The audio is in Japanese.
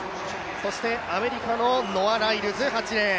そしてアメリカのノア・ライルズ、８レーン。